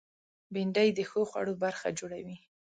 بېنډۍ د ښو خوړو برخه جوړوي